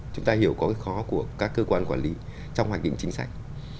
chúng ta hiểu có cái khó của các cơ quan quản lý trong hoạch định chính sách